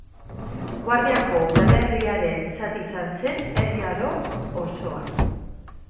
Guardiako udalerriaren zati izan zen Erdi Aro osoan.